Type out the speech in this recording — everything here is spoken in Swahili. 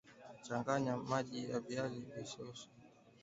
changanya maji na viazi vilivyosagwa kupata juisi nzuri